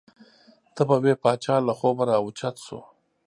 تا به وې پاچا له خوبه را او چت شو.